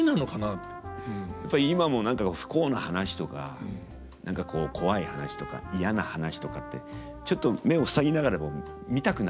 やっぱり今も何か不幸な話とか何かコワい話とか嫌な話とかってちょっと目を塞ぎながら見たくなりますもんね